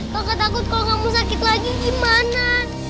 kak takut kalau kamu sakit lagi gimana